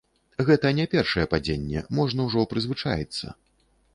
Гэта не першае падзенне, можна ўжо прызвычаіцца.